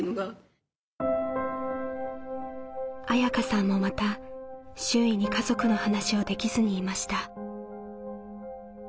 綾香さんもまた周囲に家族の話をできずにいました。